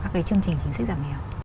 cái chương trình chính sách giảm nghèo